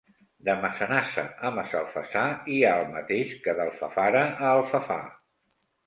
De Massanassa a Massalfassar hi ha el mateix que d'Alfafara a Alfafar.